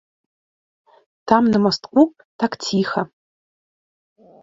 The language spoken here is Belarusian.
Там на мастку так ціха.